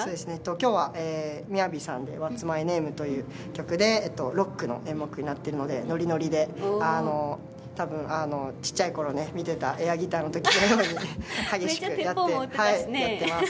今日はＭＩＹＡＶＩさんで「Ｗｈａｔ’ｓＭｙＮａｍｅ？」という曲でロックの演目になっているのでノリノリで多分ちっちゃい頃、見ていたエアギターのように激しくやってます。